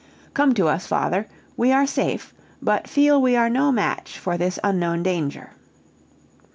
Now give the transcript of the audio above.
Come to us, father we are safe, but feel we are no match for this unknown danger."